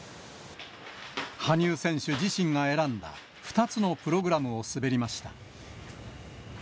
羽生選手自身が選んだ２つのプログラムを滑りました。